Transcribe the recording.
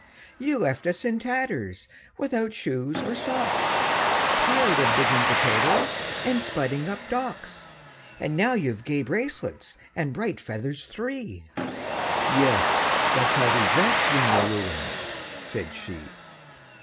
—"You left us in tatters, without shoes or socks, Tired of digging potatoes, and spudding up docks; And now you've gay bracelets and bright feathers three!"— "Yes: that's how we dress when we're ruined," said she.